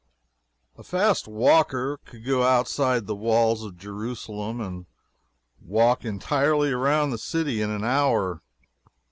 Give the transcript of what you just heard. A fast walker could go outside the walls of Jerusalem and walk entirely around the city in an hour.